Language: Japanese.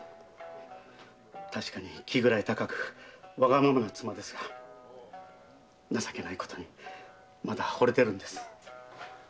確かに気位高くわがままな妻ですが情けないことにまだ惚れているんです。